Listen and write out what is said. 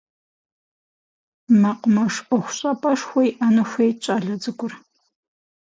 Мэкъумэш ӏуэхущӏапӏэшхуэ иӏэну хуейт щӏалэ цӏыкӏур.